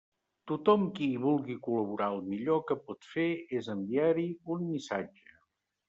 Tothom qui hi vulgui col·laborar el millor que pot fer és enviar-hi un missatge.